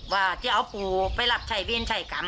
ว่าจะเอาปู่ไปรับใช้เวรชัยกรรม